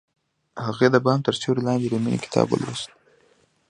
هغې د بام تر سیوري لاندې د مینې کتاب ولوست.